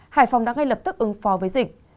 hải phòng đã ngay lập tức ứng phó với dịch